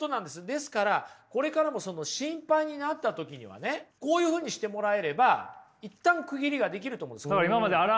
ですからこれからも心配になった時にはねこういうふうにしてもらえれば一旦区切りができると思うんです。